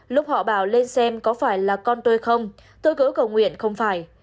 lúc họ bảo lên xem có phải là con tôi không tôi cỡ cầu nguyện không phải